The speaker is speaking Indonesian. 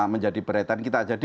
menjadi beraitan kita